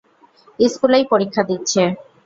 স্কুলেই, পরীক্ষা দিচ্ছে।